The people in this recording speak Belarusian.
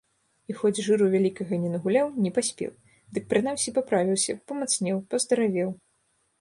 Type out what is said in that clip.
І хоць жыру вялікага не нагуляў, не паспеў, дык прынамсі паправіўся, памацнеў, паздаравеў.